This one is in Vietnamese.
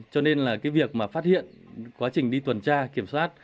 cho nên là cái việc mà phát hiện quá trình đi tuần tra kiểm soát